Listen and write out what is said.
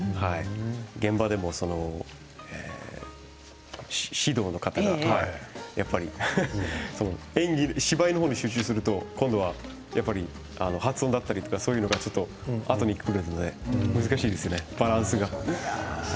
現場でも指導の方がやっぱり芝居に集中すると今度はやっぱり発音がだったりとかそういうのがあとにくるので難しいですね、バランスが。